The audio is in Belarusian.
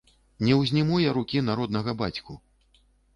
Не ўзніму я рукі на роднага бацьку.